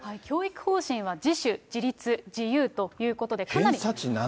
教育方針は、自主、自律、自由ということで。